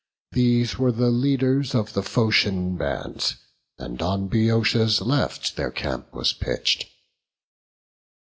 These were the leaders of the Phocian bands, And on Bœotia's left their camp was pitch'd.